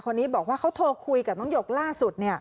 คนนี้บอกว่าเขาโทรคุยกับน้องหยกล่าสุด